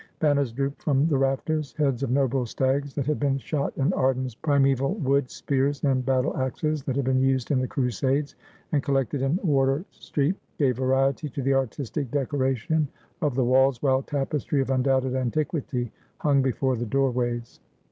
Banners drooped from the rafters ; heads of noble stags that had been shot in Arden's primeval wood, spears and battle axes that had been used in the Crusades, and collected in Wardour Street, gave variety to the artistic decoration of the walls, while tapestry of undoubted antiquity hung before the doorways.